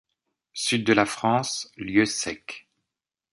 Sud de la France, lieux secs.